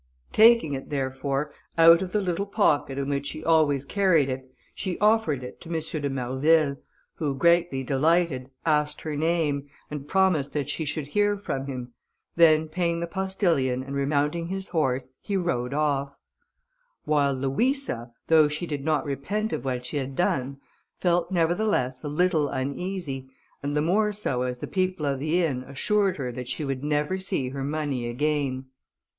Taking it, therefore, out of the little pocket in which she always carried it, she offered it to M. de Marville, who, greatly delighted, asked her name, and promised that she should hear from him; then paying the postilion, and remounting his horse, he rode off; while Louisa, though she did not repent of what she had done, felt, nevertheless, a little uneasy, and the more so as the people of the inn assured her that she would never see her money again.